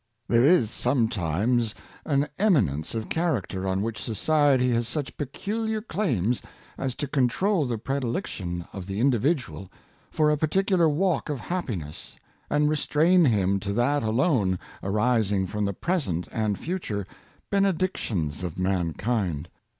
*^^* There is sometimes an eminence of character on which society has such peculiar claims as to control the predilection of the individual for a particular walk of happiness, and restrain him to that alone arising from the present and future benedictions of mankind.